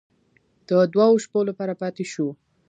د دوو شپو لپاره پاتې شوو.